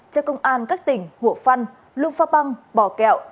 cho công an các tỉnh hủa phăn lưu pháp băng bò kẹo